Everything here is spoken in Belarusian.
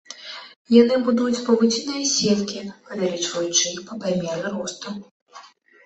Яны будуюць павуцінныя сеткі, павялічваючы іх па меры росту.